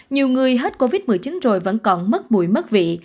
nhiều người hết covid một mươi chín rồi vẫn còn mất mùi mất vị